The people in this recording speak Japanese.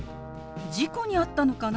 事故に遭ったのかな？